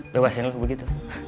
bebasin lo begitu